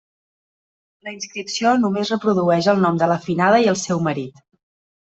La inscripció només reprodueix el nom de la finada i el seu marit.